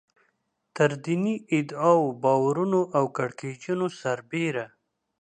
تر دیني ادعاوو، باورونو او کړکېچونو سربېره.